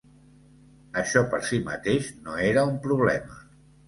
Això per si mateix no era un problema.